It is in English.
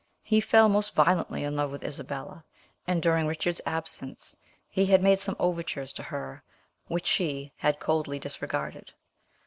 He fell most violently in love with Isabella, and, during Richard's absence, he had made some overtures to her which she had coldly disregarded.